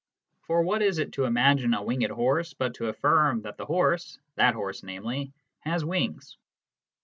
For what is it to imagine a winged horse but to affirm that the horse [that horse, namely] has wings